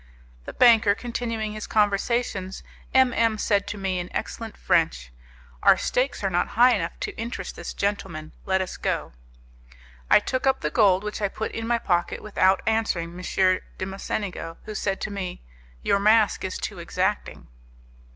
The banker continuing his conversations, M M said to me, in excellent French, "Our stakes are not high enough to interest this gentleman; let us go." I took up the gold, which I put in my pocket, without answering M. de Mocenigo, who said to me: "Your mask is too exacting."